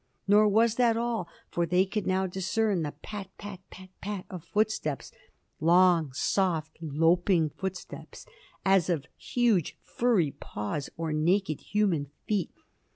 Nor was that all, for they could now discern the pat pat, pat pat of footsteps long, soft, loping footsteps, as of huge furry paws or naked human feet.